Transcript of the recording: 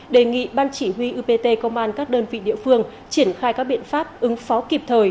đề nghị ban chỉ huy upt công an các đơn vị địa phương triển khai các biện pháp ứng phó kịp thời